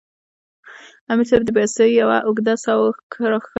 امیر صېب د بې وسۍ یوه اوږده ساه راښکله